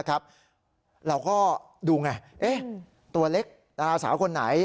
เราก็ดูไงตัวเล็กดาราสาวคนไหน